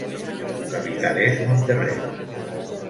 Su capital es Monterrey.